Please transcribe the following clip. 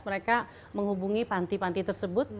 mereka menghubungi panti panti tersebut